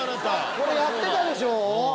これやってたでしょ？